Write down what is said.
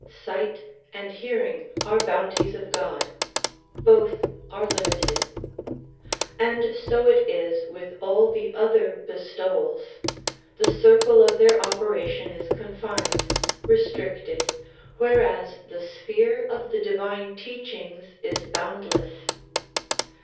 Sight and hearing are bounties of God; both are limited. And so it is with all the other bestowals ; the circle of their operation is con fined, restricted whereas the sphere of the divine teachings is bound less.